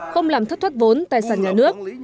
không làm thất thoát vốn tài sản nhà nước